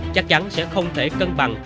chắc chắn sẽ không thể cân bằng